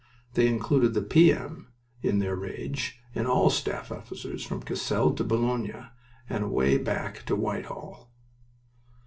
They included the P.M. in their rage, and all staff officers from Cassel to Boulogne, and away back to Whitehall.